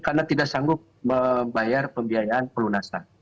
karena tidak sanggup membayar pembiayaan pelunasan